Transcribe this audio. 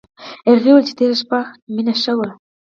هغې وویل چې تېره شپه مينه ښه وه